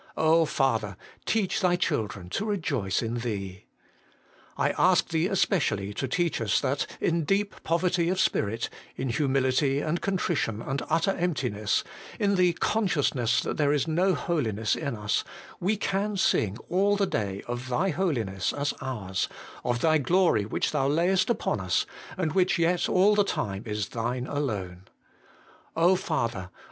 Father ! teach Thy children to rejoice in Thee. I ask Thee especially to teach us that, in deep poverty of spirit, in humility and contrition and utter emptiness, in the consciousness that there is no holiness in us, we can sing all the day of Thy 192 HOLY IN CHRIST. Holiness as ours, of Thy glory which Thou layest upon us, and which yet all the time is Thine alone. O Father